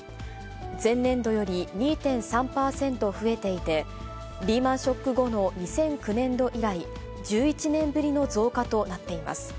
前年度より２．３％増えていて、リーマンショック後の２００９年度以来、１１年ぶりの増加となっています。